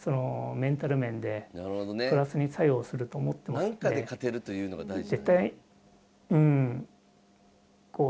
なんかで勝てるというのが大事なんだ。